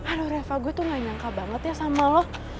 aduh reva gue tuh gak nyangka banget ya sama lo